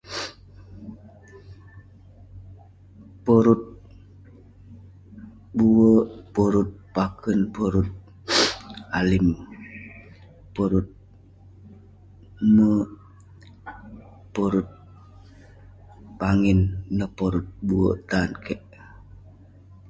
Porut bue', porut paken, porut alim, porut, [unintelligible] porut pangin, porut bue' tan kek.